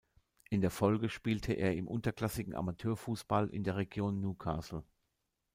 In der Folge spielte er im unterklassigen Amateurfußball in der Region Newcastle.